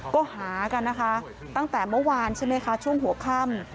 ก็หากันนะคะตั้งแต่เมื่อวานใช่ไหมคะช่วงหัวค่ำ